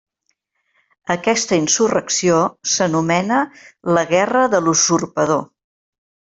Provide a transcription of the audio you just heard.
Aquesta insurrecció s'anomena la Guerra de l'Usurpador.